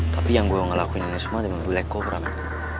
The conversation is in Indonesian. tapi yang gue mau ngelakuin ini semua adalah black coper amit